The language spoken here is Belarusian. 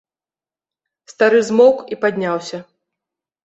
Стары змоўк і падняўся.